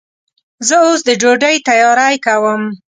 زه اوس د ډوډۍ تیاری کوم.